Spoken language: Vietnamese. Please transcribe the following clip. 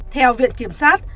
theo viện kiểm soát